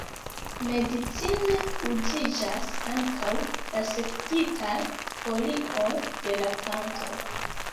Medicine uziĝas ankaŭ la sekigitaj folioj de la planto.